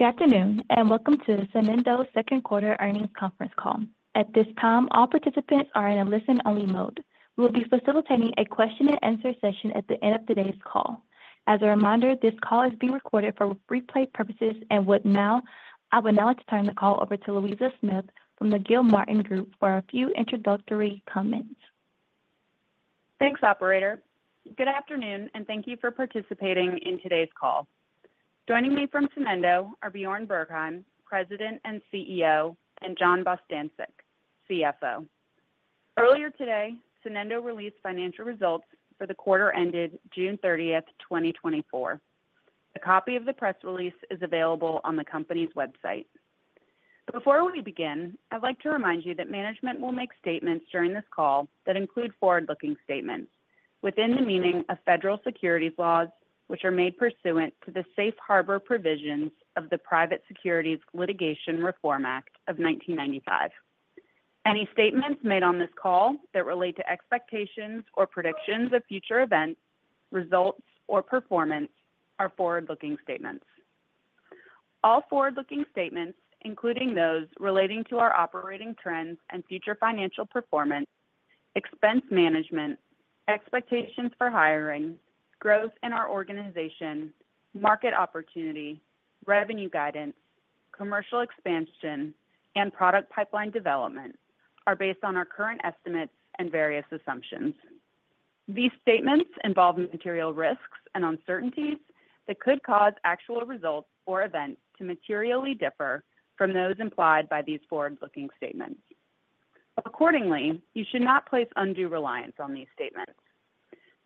Good afternoon, and welcome to the Sonendo second quarter earnings conference call. At this time, all participants are in a listen-only mode. We'll be facilitating a question and answer session at the end of today's call. As a reminder, this call is being recorded for replay purposes. I would now like to turn the call over to Louisa Smith from the Gilmartin Group for a few introductory comments. Thanks, operator. Good afternoon, and thank you for participating in today's call. Joining me from Sonendo are Bjarne Bergheim, President and CEO, and John Bostjancic, CFO. Earlier today, Sonendo released financial results for the quarter ended June 30, 2024. A copy of the press release is available on the company's website. Before we begin, I'd like to remind you that management will make statements during this call that include forward-looking statements within the meaning of federal securities laws, which are made pursuant to the Safe Harbor provisions of the Private Securities Litigation Reform Act of 1995. Any statements made on this call that relate to expectations or predictions of future events, results, or performance are forward-looking statements. All forward-looking statements, including those relating to our operating trends and future financial performance, expense management, expectations for hiring, growth in our organization, market opportunity, revenue guidance, commercial expansion, and product pipeline development, are based on our current estimates and various assumptions. These statements involve material risks and uncertainties that could cause actual results or events to materially differ from those implied by these forward-looking statements. Accordingly, you should not place undue reliance on these statements.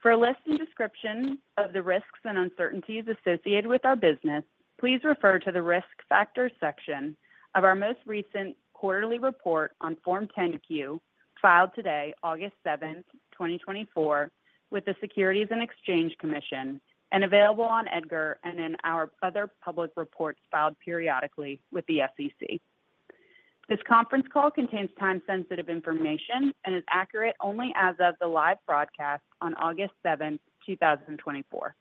For a list and description of the risks and uncertainties associated with our business, please refer to the Risk Factors section of our most recent quarterly report on Form 10-Q, filed today, August 7, 2024, with the Securities and Exchange Commission, and available on EDGAR and in our other public reports filed periodically with the SEC. This conference call contains time-sensitive information and is accurate only as of the live broadcast on August 7, 2024.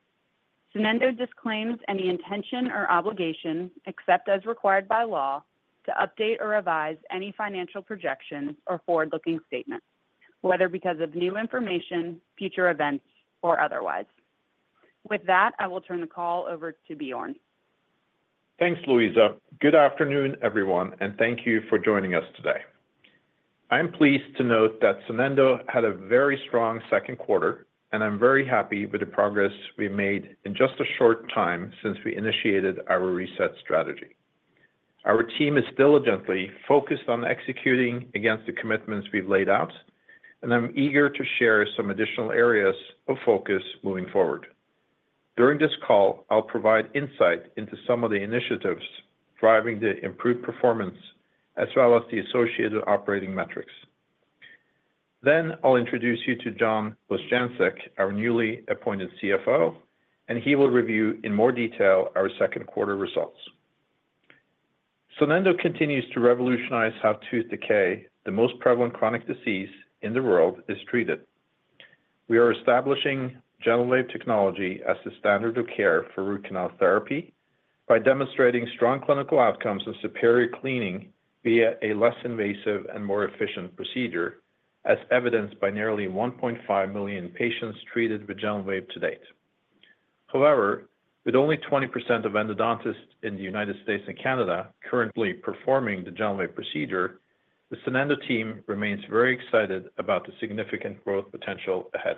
Sonendo disclaims any intention or obligation, except as required by law, to update or revise any financial projections or forward-looking statements, whether because of new information, future events, or otherwise. With that, I will turn the call over to Bjarne. Thanks, Louisa. Good afternoon, everyone, and thank you for joining us today. I am pleased to note that Sonendo had a very strong second quarter, and I'm very happy with the progress we've made in just a short time since we initiated our reset strategy. Our team is diligently focused on executing against the commitments we've laid out, and I'm eager to share some additional areas of focus moving forward. During this call, I'll provide insight into some of the initiatives driving the improved performance, as well as the associated operating metrics. Then I'll introduce you to John Bostjancic, our newly appointed CFO, and he will review in more detail our second quarter results. Sonendo continues to revolutionize how tooth decay, the most prevalent chronic disease in the world, is treated. We are establishing GentleWave technology as the standard of care for root canal therapy by demonstrating strong clinical outcomes and superior cleaning via a less invasive and more efficient procedure, as evidenced by nearly 1.5 million patients treated with GentleWave to date. However, with only 20% of endodontists in the United States and Canada currently performing the GentleWave procedure, the Sonendo team remains very excited about the significant growth potential ahead.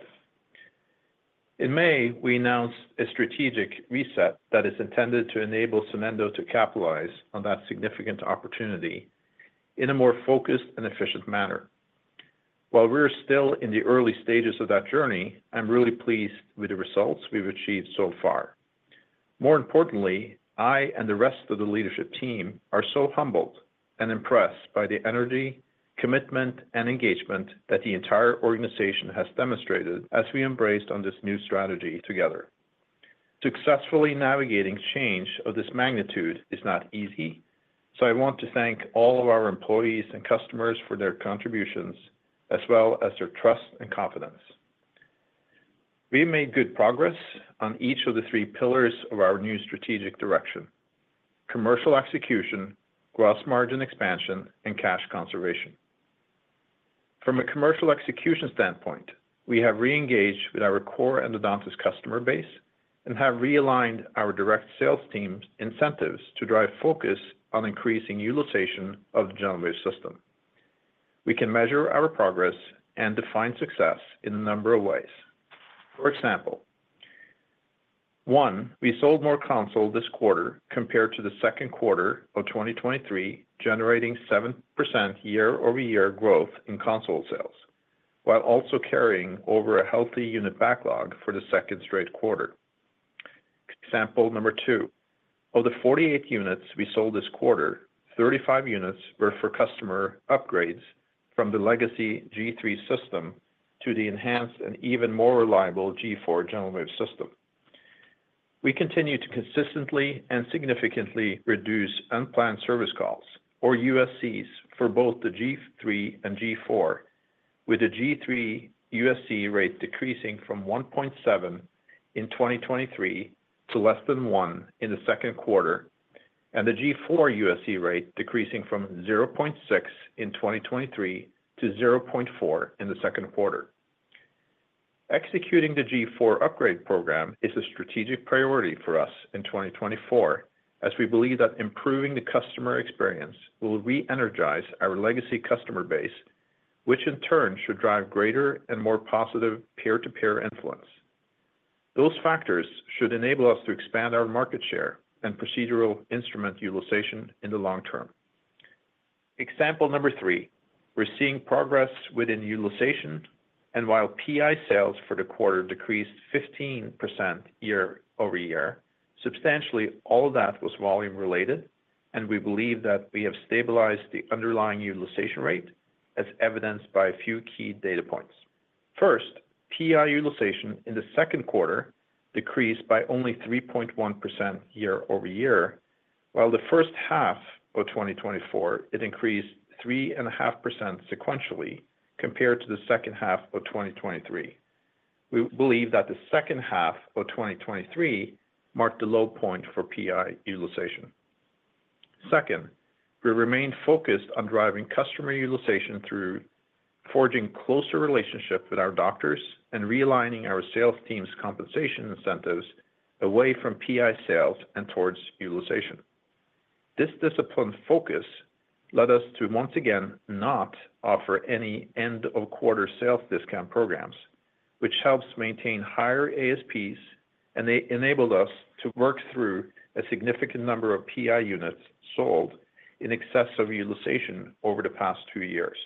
In May, we announced a strategic reset that is intended to enable Sonendo to capitalize on that significant opportunity in a more focused and efficient manner. While we're still in the early stages of that journey, I'm really pleased with the results we've achieved so far. More importantly, I and the rest of the leadership team are so humbled and impressed by the energy, commitment, and engagement that the entire organization has demonstrated as we embraced on this new strategy together. Successfully navigating change of this magnitude is not easy, so I want to thank all of our employees and customers for their contributions, as well as their trust and confidence. We made good progress on each of the three pillars of our new strategic direction: commercial execution, gross margin expansion, and cash conservation. From a commercial execution standpoint, we have reengaged with our core endodontist customer base and have realigned our direct sales team's incentives to drive focus on increasing utilization of the GentleWave System. We can measure our progress and define success in a number of ways. For example, one, we sold more consoles this quarter compared to the second quarter of 2023, generating 7% year-over-year growth in console sales, while also carrying over a healthy unit backlog for the second straight quarter. Example number two, of the 48 units we sold this quarter, 35 units were for customer upgrades from the legacy G3 system to the enhanced and even more reliable G4 GentleWave system. We continue to consistently and significantly reduce unplanned service calls or USCs for both the G3 and G4. With the G3 USC rate decreasing from 1.7 in 2023 to less than one in the second quarter, and the G4 USC rate decreasing from 0.6 in 2023 to 0.4 in the second quarter. Executing the G4 upgrade program is a strategic priority for us in 2024, as we believe that improving the customer experience will re-energize our legacy customer base, which in turn should drive greater and more positive peer-to-peer influence. Those factors should enable us to expand our market share and procedural instrument utilization in the long term. Example number three: We're seeing progress within utilization, and while PI sales for the quarter decreased 15% year-over-year, substantially all that was volume-related, and we believe that we have stabilized the underlying utilization rate, as evidenced by a few key data points. First, PI utilization in the second quarter decreased by only 3.1% year-over-year, while the first half of 2024, it increased 3.5% sequentially compared to the second half of 2023. We believe that the second half of 2023 marked the low point for PI utilization. Second, we remain focused on driving customer utilization through forging closer relationships with our doctors and realigning our sales team's compensation incentives away from PI sales and towards utilization. This disciplined focus led us to once again not offer any end-of-quarter sales discount programs, which helps maintain higher ASPs, and they enabled us to work through a significant number of PI units sold in excess of utilization over the past two years.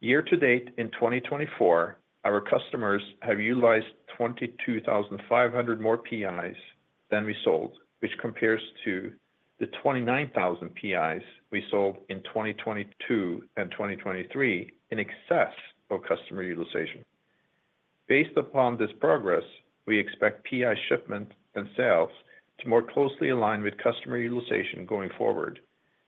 Year to date, in 2024, our customers have utilized 22,500 more PIs than we sold, which compares to the 29,000 PIs we sold in 2022 and 2023 in excess of customer utilization. Based upon this progress, we expect PI shipment and sales to more closely align with customer utilization going forward,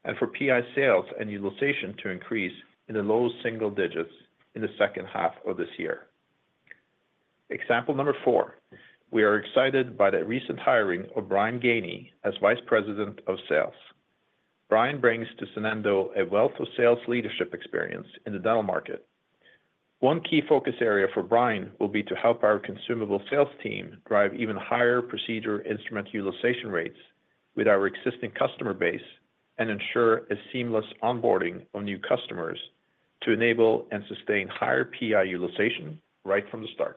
and for PI sales and utilization to increase in the low single digits in the second half of this year. Example number 4: We are excited by the recent hiring of Brian Gainey as Vice President of Sales. Brian brings to Sonendo a wealth of sales leadership experience in the dental market. One key focus area for Brian will be to help our consumable sales team drive even higher procedure instrument utilization rates with our existing customer base and ensure a seamless onboarding of new customers to enable and sustain higher PI utilization right from the start.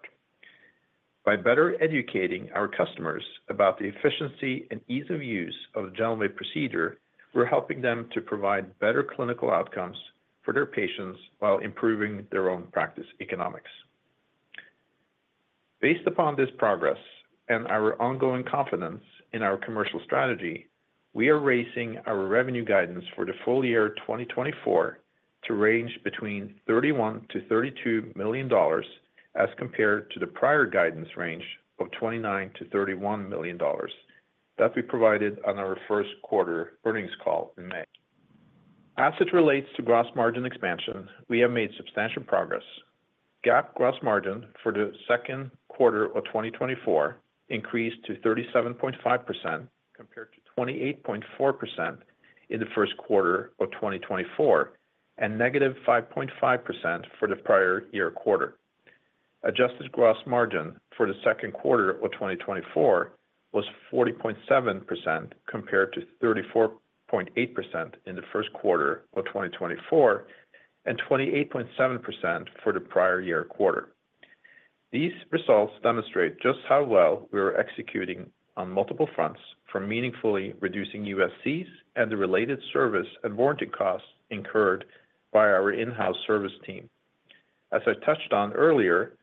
By better educating our customers about the efficiency and ease of use of the GentleWave procedure, we're helping them to provide better clinical outcomes for their patients while improving their own practice economics. Based upon this progress and our ongoing confidence in our commercial strategy, we are raising our revenue guidance for the full year 2024 to range between $31 million-$32 million, as compared to the prior guidance range of $29 million-$31 million that we provided on our first quarter earnings call in May. As it relates to gross margin expansion, we have made substantial progress. GAAP gross margin for the second quarter of 2024 increased to 37.5%, compared to 28.4% in the first quarter of 2024, and -5.5% for the prior year quarter. Adjusted gross margin for the second quarter of 2024 was 40.7%, compared to 34.8% in the first quarter of 2024, and 28.7% for the prior year quarter. These results demonstrate just how well we are executing on multiple fronts, from meaningfully reducing USCs and the related service and warranty costs incurred by our in-house service team. As I touched on earlier,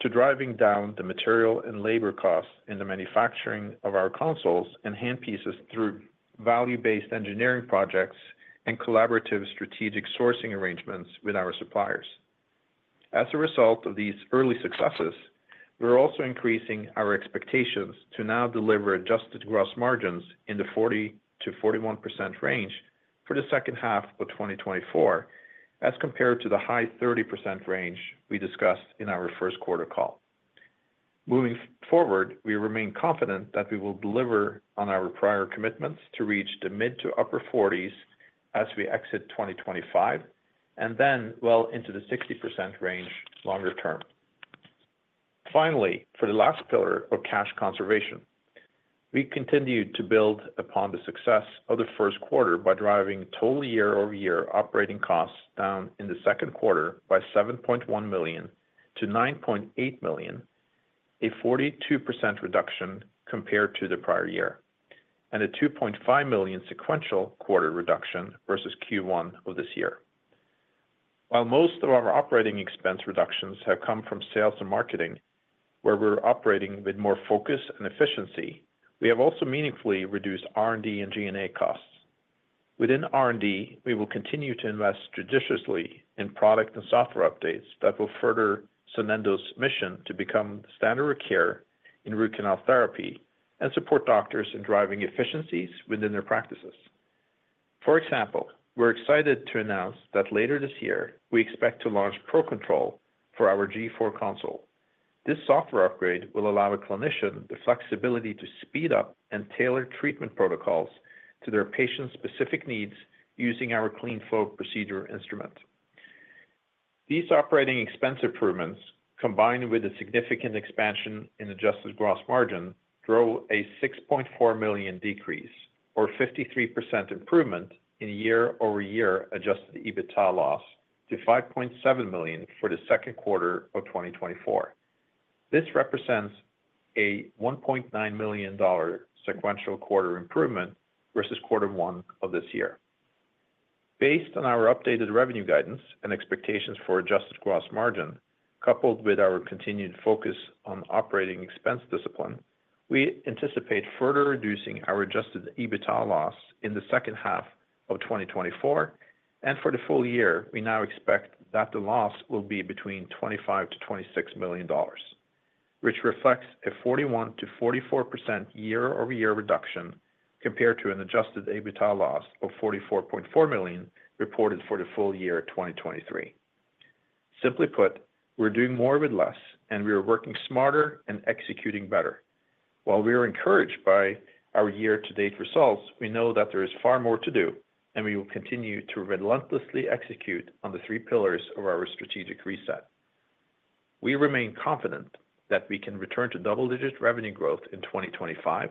to driving down the material and labor costs in the manufacturing of our consoles and handpieces through value-based engineering projects and collaborative strategic sourcing arrangements with our suppliers. As a result of these early successes, we're also increasing our expectations to now deliver adjusted gross margins in the 40%-41% range for the second half of 2024, as compared to the high 30% range we discussed in our first quarter call. Moving forward, we remain confident that we will deliver on our prior commitments to reach the mid- to upper 40s as we exit 2025, and then well into the 60% range longer term. Finally, for the last pillar of cash conservation, we continued to build upon the success of the first quarter by driving total year-over-year operating costs down in the second quarter by $7.1 million-$9.8 million, a 42% reduction compared to the prior year, and a $2.5 million sequential quarter reduction versus Q1 of this year. While most of our operating expense reductions have come from sales and marketing, where we're operating with more focus and efficiency, we have also meaningfully reduced R&D and G&A costs. Within R&D, we will continue to invest judiciously in product and software updates that will further Sonendo's mission to become the standard of care in root canal therapy and support doctors in driving efficiencies within their practices. For example, we're excited to announce that later this year, we expect to launch ProControl for our G4 console. This software upgrade will allow a clinician the flexibility to speed up and tailor treatment protocols to their patient's specific needs using our CleanFlow Procedure Instrument. These operating expense improvements, combined with a significant expansion in adjusted gross margin, drove a $6.4 million decrease or 53% improvement in year-over-year Adjusted EBITDA loss to $5.7 million for the second quarter of 2024. This represents a $1.9 million sequential quarter improvement versus quarter one of this year. Based on our updated revenue guidance and expectations for adjusted gross margin, coupled with our continued focus on operating expense discipline, we anticipate further reducing our adjusted EBITDA loss in the second half of 2024, and for the full year, we now expect that the loss will be between $25 million-$26 million, which reflects a 41%-44% year-over-year reduction compared to an adjusted EBITDA loss of $44.4 million reported for the full year 2023. Simply put, we're doing more with less, and we are working smarter and executing better. While we are encouraged by our year-to-date results, we know that there is far more to do, and we will continue to relentlessly execute on the three pillars of our strategic reset. We remain confident that we can return to double-digit revenue growth in 2025,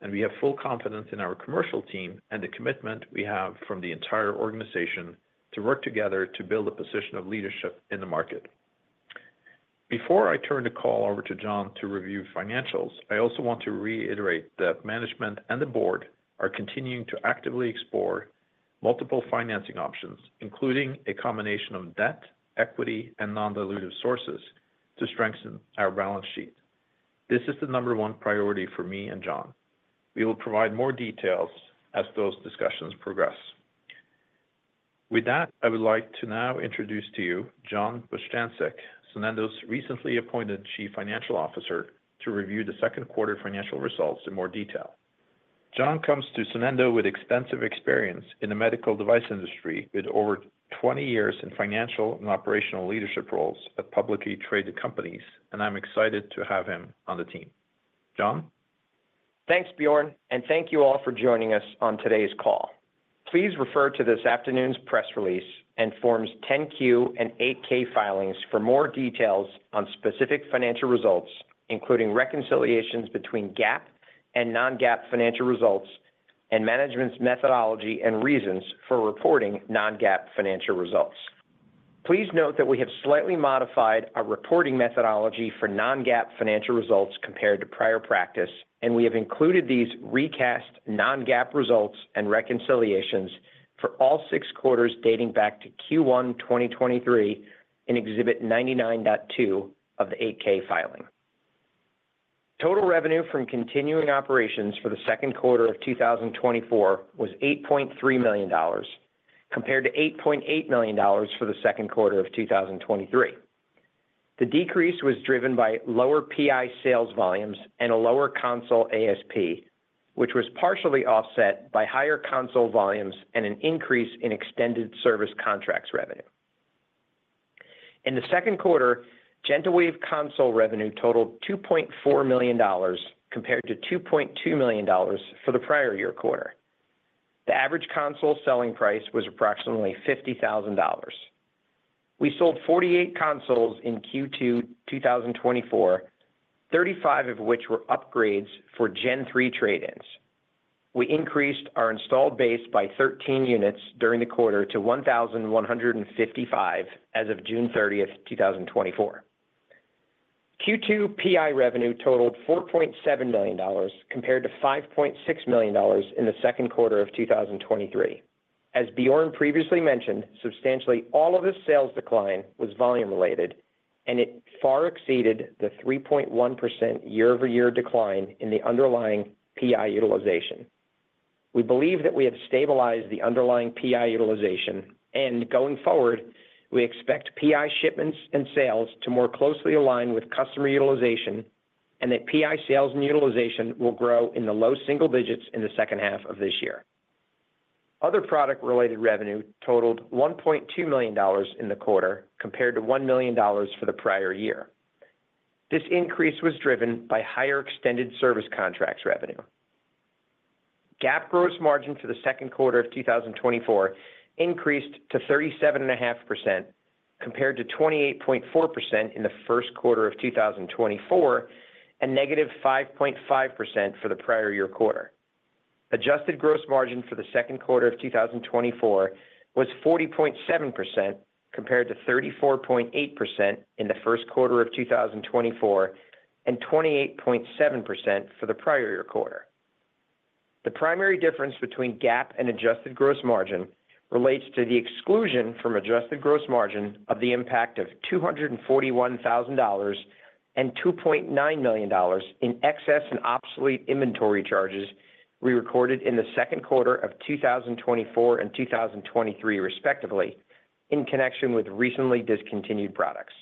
and we have full confidence in our commercial team and the commitment we have from the entire organization to work together to build a position of leadership in the market. Before I turn the call over to John to review financials, I also want to reiterate that management and the board are continuing to actively explore multiple financing options, including a combination of debt, equity, and non-dilutive sources to strengthen our balance sheet. This is the number one priority for me and John. We will provide more details as those discussions progress. With that, I would like to now introduce to you John Bostjancic, Sonendo's recently appointed Chief Financial Officer, to review the second quarter financial results in more detail. John comes to Sonendo with extensive experience in the medical device industry, with over 20 years in financial and operational leadership roles at publicly traded companies, and I'm excited to have him on the team. John? Thanks, Bjarne, and thank you all for joining us on today's call. Please refer to this afternoon's press release and Form 10-Q and Form 8-K filings for more details on specific financial results, including reconciliations between GAAP and non-GAAP financial results, and management's methodology and reasons for reporting non-GAAP financial results. Please note that we have slightly modified our reporting methodology for non-GAAP financial results compared to prior practice, and we have included these recast non-GAAP results and reconciliations for all six quarters dating back to Q1 2023 in Exhibit 99.2 of the 8-K filing. Total revenue from continuing operations for the second quarter of 2024 was $8.3 million, compared to $8.8 million for the second quarter of 2023. The decrease was driven by lower PI sales volumes and a lower console ASP, which was partially offset by higher console volumes and an increase in extended service contracts revenue. In the second quarter, GentleWave console revenue totaled $2.4 million, compared to $2.2 million for the prior year quarter. The average console selling price was approximately $50,000. We sold 48 consoles in Q2 2024, 35 of which were upgrades for Gen 3 trade-ins. We increased our installed base by 13 units during the quarter to 1,155 as of June 30th, 2024. Q2 PI revenue totaled $4.7 million, compared to $5.6 million in the second quarter of 2023. As Bjarne previously mentioned, substantially, all of this sales decline was volume-related, and it far exceeded the 3.1% year-over-year decline in the underlying PI utilization. We believe that we have stabilized the underlying PI utilization, and going forward, we expect PI shipments and sales to more closely align with customer utilization, and that PI sales and utilization will grow in the low single digits in the second half of this year. Other product-related revenue totaled $1.2 million in the quarter, compared to $1 million for the prior year. This increase was driven by higher extended service contracts revenue. GAAP gross margin for the second quarter of 2024 increased to 37.5%, compared to 28.4% in the first quarter of 2024, and -5.5% for the prior year quarter. Adjusted gross margin for the second quarter of 2024 was 40.7%, compared to 34.8% in the first quarter of 2024, and 28.7% for the prior year quarter. The primary difference between GAAP and adjusted gross margin relates to the exclusion from adjusted gross margin of the impact of $241,000 and $2.9 million in excess and obsolete inventory charges we recorded in the second quarter of 2024 and 2023 respectively, in connection with recently discontinued products.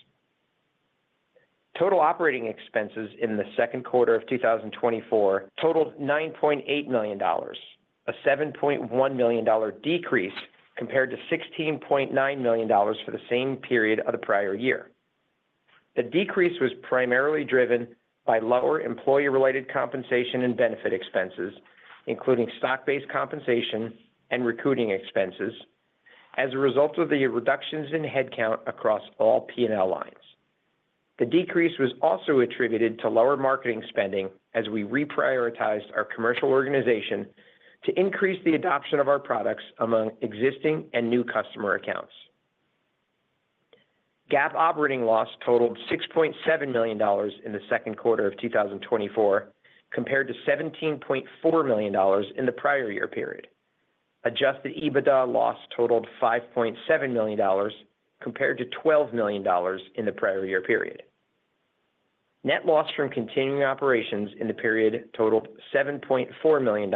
Total operating expenses in the second quarter of 2024 totaled $9.8 million, a $7.1 million decrease compared to $16.9 million for the same period of the prior year. The decrease was primarily driven by lower employee-related compensation and benefit expenses, including stock-based compensation and recruiting expenses, as a result of the reductions in headcount across all P&L lines. The decrease was also attributed to lower marketing spending as we reprioritized our commercial organization to increase the adoption of our products among existing and new customer accounts. GAAP operating loss totaled $6.7 million in the second quarter of 2024, compared to $17.4 million in the prior year period. Adjusted EBITDA loss totaled $5.7 million, compared to $12 million in the prior year period. Net loss from continuing operations in the period totaled $7.4 million,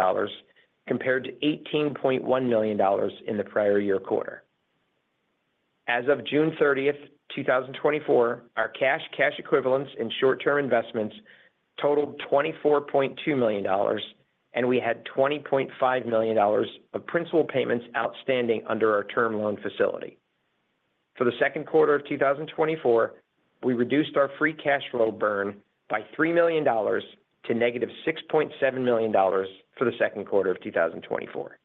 compared to $18.1 million in the prior year quarter. As of June 30th, 2024, our cash, cash equivalents and short-term investments totaled $24.2 million, and we had $20.5 million of principal payments outstanding under our term loan facility. For the second quarter of 2024, we reduced our free cash flow burn by $3 million to -$6.7 million for the second quarter of 2024.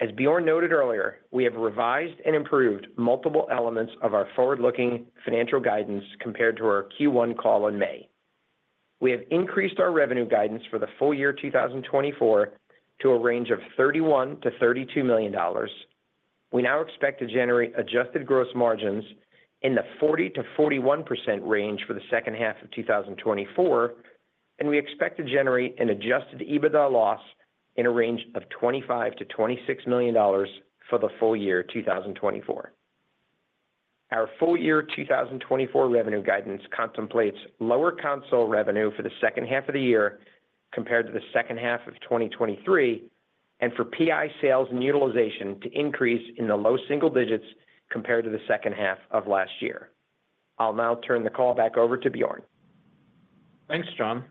As Bjarne noted earlier, we have revised and improved multiple elements of our forward-looking financial guidance compared to our Q1 call in May. We have increased our revenue guidance for the full year 2024 to a range of $31 million-$32 million. We now expect to generate adjusted gross margins in the 40%-41% range for the second half of 2024, and we expect to generate an Adjusted EBITDA loss in a range of $25 million-$26 million for the full year 2024. Our full year 2024 revenue guidance contemplates lower console revenue for the second half of the year compared to the second half of 2023, and for PI sales and utilization to increase in the low single digits compared to the second half of last year. I'll now turn the call back over to Bjarne. Thanks, John.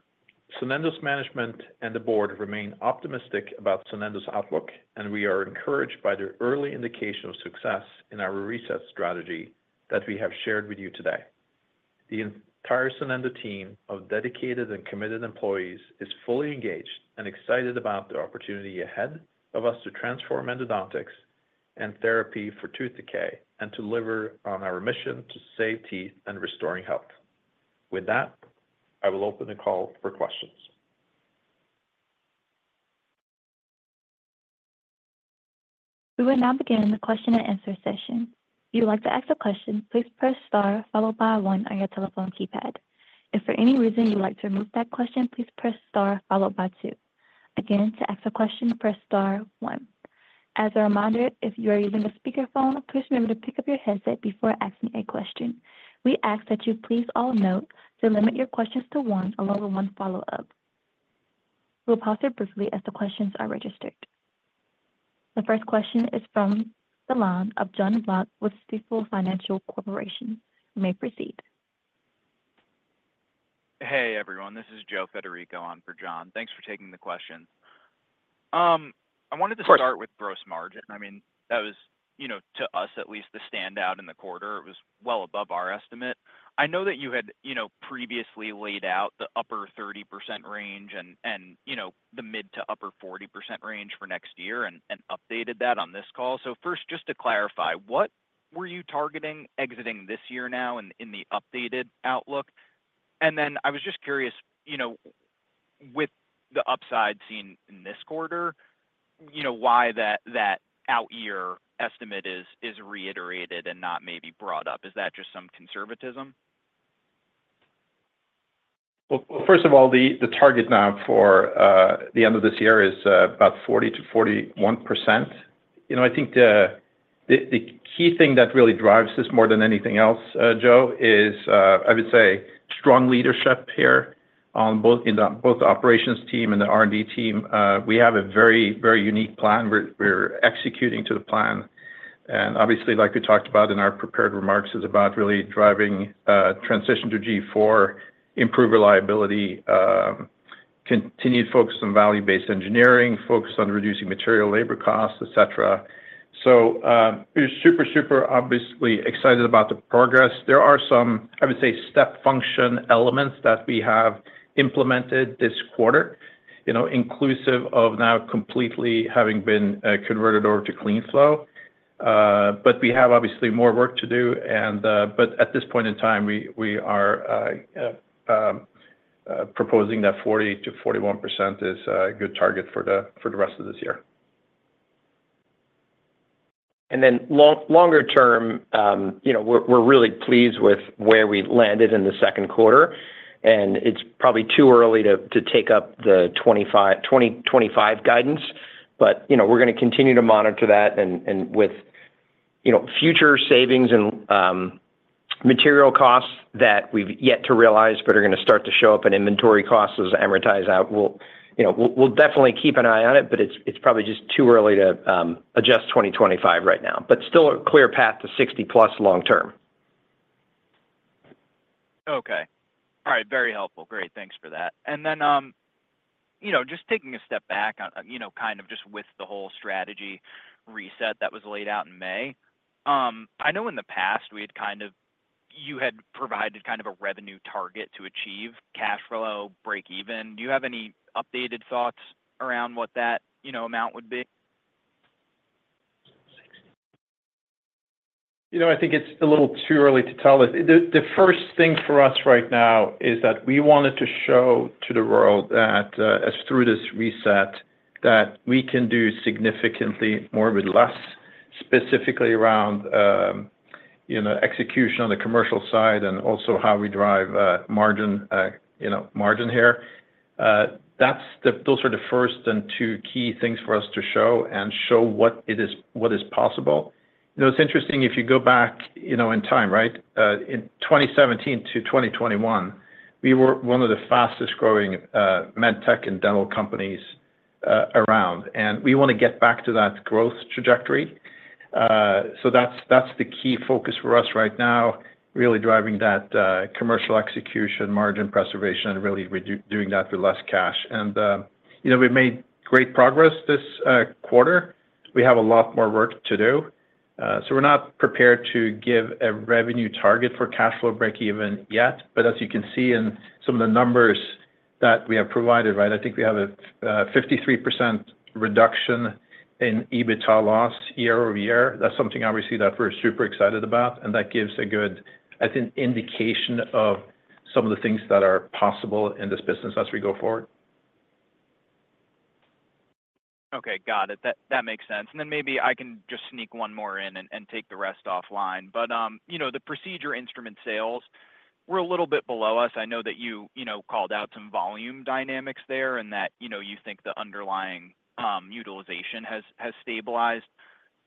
Sonendo's management and the board remain optimistic about Sonendo's outlook, and we are encouraged by the early indication of success in our reset strategy that we have shared with you today. The entire Sonendo team of dedicated and committed employees is fully engaged and excited about the opportunity ahead of us to transform endodontics and therapy for tooth decay and deliver on our mission to save teeth and restoring health. With that, I will open the call for questions. We will now begin the question and answer session. If you would like to ask a question, please press star followed by one on your telephone keypad. If for any reason you'd like to remove that question, please press star followed by two. Again, to ask a question, press star one. As a reminder, if you are using a speakerphone, please remember to pick up your headset before asking a question. We ask that you please all note to limit your questions to one, along with one follow-up. We'll pause here briefly as the questions are registered. The first question is from the line of Jonathan Block with Stifel Financial Corporation You may proceed. Hey, everyone. This is Joe Federico on for John. Thanks for taking the question. I wanted to start with gross margin. I mean, that was, you know, to us, at least, the standout in the quarter. It was well above our estimate. I know that you had, you know, previously laid out the upper 30% range and, you know, the mid- to upper 40% range for next year and updated that on this call. So first, just to clarify, what were you targeting exiting this year now in the updated outlook? And then I was just curious, you know, with the upside seen in this quarter, you know, why that out year estimate is reiterated and not maybe brought up. Is that just some conservatism? Well, first of all, the target now for the end of this year is about 40%-41%. You know, I think the key thing that really drives this more than anything else, Joe, is I would say strong leadership here on both the operations team and the R&D team. We have a very, very unique plan. We're executing to the plan, and obviously, like we talked about in our prepared remarks, is about really driving transition to G4, improve reliability, continued focus on value-based engineering, focus on reducing material labor costs, et cetera. So, we're super, super, obviously excited about the progress. There are some, I would say, step function elements that we have implemented this quarter, you know, inclusive of now completely having been converted over to CleanFlow. But we have obviously more work to do and. But at this point in time, we are proposing that 40%-41% is a good target for the rest of this year. And then longer term, you know, we're really pleased with where we landed in the second quarter, and it's probably too early to take up the 2025 guidance, but, you know, we're gonna continue to monitor that and, with, you know, future savings and material costs that we've yet to realize but are gonna start to show up in inventory costs as amortize out, we'll, you know, we'll definitely keep an eye on it, but it's probably just too early to adjust 2025 right now. But still a clear path to 60+ long term.... Okay. All right, very helpful. Great, thanks for that. And then, you know, just taking a step back on, you know, kind of just with the whole strategy reset that was laid out in May. I know in the past, we had kind of, you had provided kind of a revenue target to achieve cash flow breakeven. Do you have any updated thoughts around what that, you know, amount would be? You know, I think it's a little too early to tell. The first thing for us right now is that we wanted to show to the world that, as through this reset, that we can do significantly more with less, specifically around, you know, execution on the commercial side and also how we drive, margin, you know, margin here. That's the—those are the first and two key things for us to show, and show what it is, what is possible. You know, it's interesting if you go back, you know, in time, right? In 2017 to 2021, we were one of the fastest growing, med tech and dental companies, around, and we want to get back to that growth trajectory. So that's the key focus for us right now, really driving that commercial execution, margin preservation, and really doing that with less cash. And you know, we've made great progress this quarter. We have a lot more work to do, so we're not prepared to give a revenue target for cash flow breakeven yet. But as you can see in some of the numbers that we have provided, right, I think we have a 53% reduction in EBITDA loss year-over-year. That's something obviously that we're super excited about, and that gives a good, I think, indication of some of the things that are possible in this business as we go forward. Okay, got it. That makes sense. And then maybe I can just sneak one more in and take the rest offline. But, you know, the procedure instrument sales were a little bit below us. I know that you, you know, called out some volume dynamics there and that, you know, you think the underlying utilization has stabilized.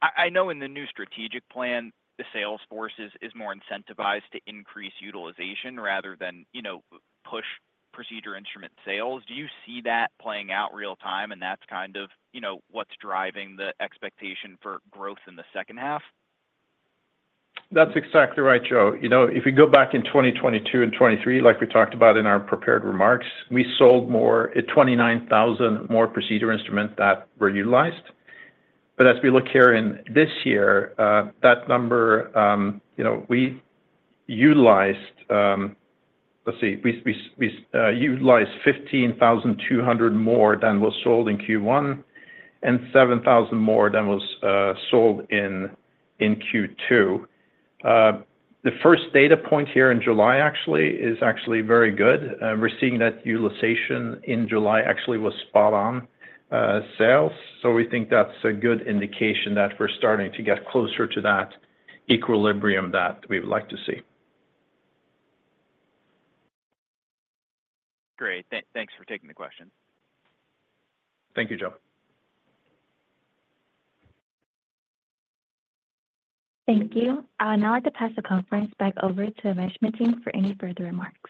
I know in the new strategic plan, the sales force is more incentivized to increase utilization rather than, you know, push procedure instrument sales. Do you see that playing out real-time, and that's kind of, you know, what's driving the expectation for growth in the second half? That's exactly right, Joe. You know, if we go back in 2022 and 2023, like we talked about in our prepared remarks, we sold more, 29,000 more procedure instruments that were utilized. But as we look here in this year, that number, you know, we utilized... Let's see, we utilized 15,200 more than was sold in Q1, and 7,000 more than was sold in Q2. The first data point here in July actually is actually very good. We're seeing that utilization in July actually was spot on, sales, so we think that's a good indication that we're starting to get closer to that equilibrium that we would like to see. Great. Thanks for taking the question. Thank you, Joe. Thank you. I would now like to pass the conference back over to the management team for any further remarks.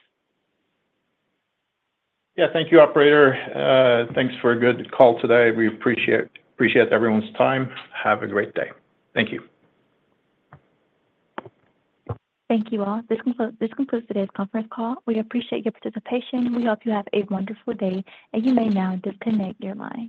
Yeah. Thank you, operator. Thanks for a good call today. We appreciate, appreciate everyone's time. Have a great day. Thank you. Thank you, all. This concludes today's conference call. We appreciate your participation. We hope you have a wonderful day, and you may now disconnect your line.